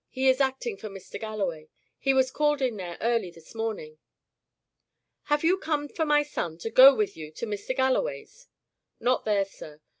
He is acting for Mr. Galloway. He was called in there early this morning." "Have you come for my son to go with you to Mr. Galloway's?" "Not there, sir.